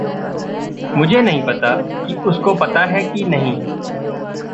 मुझे नहीं पता कि उसको पता है कि नहीं।